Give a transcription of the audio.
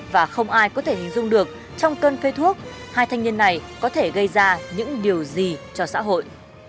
và không ai có thể hình dung được trong cơn cây thuốc hai thanh niên này có thể gây ra những điều gì cho xã hội